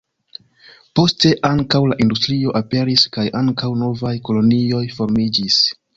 Poste ankaŭ la industrio aperis kaj ankaŭ novaj kolonioj formiĝis.